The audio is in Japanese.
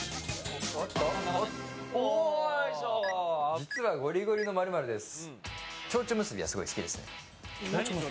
実はゴリゴリの○○です。